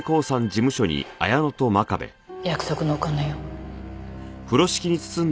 約束のお金よ。